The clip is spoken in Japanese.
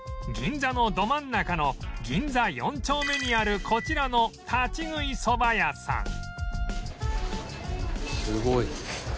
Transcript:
銀座のど真ん中の銀座４丁目にあるこちらの立ち食いそば屋さん